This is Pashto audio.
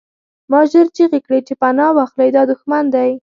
ما ژر چیغې کړې چې پناه واخلئ دا دښمن دی